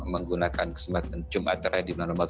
menggunakan kesempatan jum at terhadap